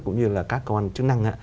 cũng như là các cơ quan chức năng